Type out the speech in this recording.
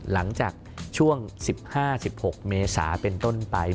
หลังจากช่วง๑๕๑๖เมษาเป็นต้นไป